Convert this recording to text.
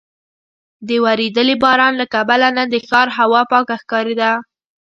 د ورېدلي باران له کبله نن د ښار هوا پاکه ښکارېده.